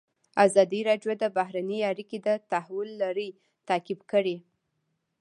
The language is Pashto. ازادي راډیو د بهرنۍ اړیکې د تحول لړۍ تعقیب کړې.